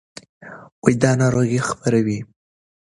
دا ناروغۍ خپروي.